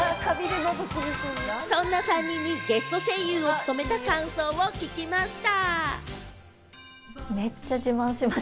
そんな３人にゲスト声優を務めた感想を聞きました。